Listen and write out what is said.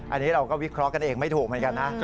อันนี้เราก็วิเคราะห์กันเองไม่ถูกเหมือนกันนะ